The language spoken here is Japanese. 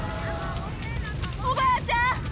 おばあちゃん。